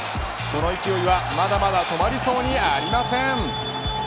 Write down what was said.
この勢いは、まだまだ止まりそうにありません。